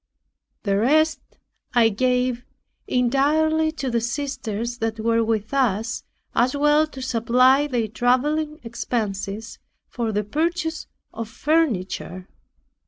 The rest I gave entirely to the sisters that were with us, as well to supply their traveling expenses, for the purchase of furniture.